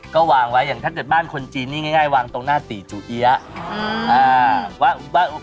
ก็วางไว้อย่างถ้าเกิดบ้านคนจีนนี่ง่ายวางตรงหน้าตีจูเอี๊ยะ